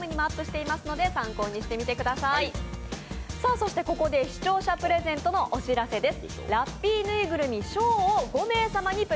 そしてここで視聴者プレゼントのお知らせです。